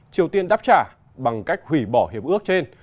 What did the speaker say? triều tiên đáp trả bằng cách hủy bỏ hiệp ước trên